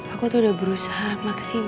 aku tuh udah berusaha maksimal